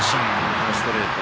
このストレート。